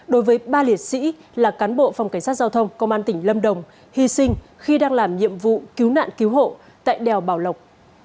đối với ba liệt sĩ là cán bộ phòng cảnh sát giao thông công an tỉnh lâm đồng hy sinh khi đang làm nhiệm vụ cứu nạn cứu hộ tại đèo bảo lộc